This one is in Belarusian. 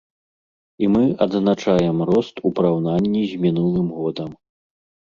І мы адзначаем рост у параўнанні з мінулым годам.